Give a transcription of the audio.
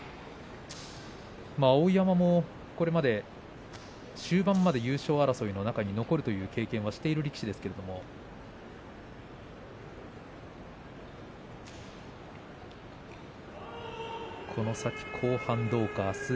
碧山も、これまで終盤まで優勝争いに残るという経験をしている力士ですけれども２敗を守りました。